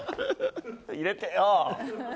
入れてよ！